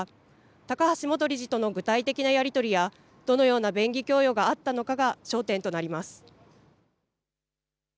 高橋元理事との具体的なやり取りやどのような便宜供与があったのかが焦点となります。